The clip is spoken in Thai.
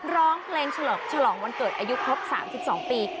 ร้องเพลงฉลองวันเกิดอายุครบ๓๒ปี